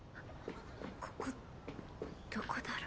ここどこだろ？